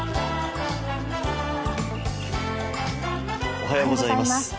おはようございます。